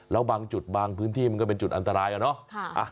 แล้วบางจุดบางพื้นที่มันก็เป็นจุดอันตรายอะเนาะ